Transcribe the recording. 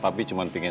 papi tahu kadaan kamu